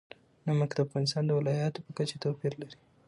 نمک د افغانستان د ولایاتو په کچه توپیر لري.